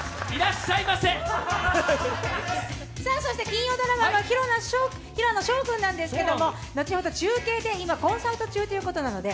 金曜ドラマは平野紫耀君なんですけど後ほど中継で、今コンサート中ということで。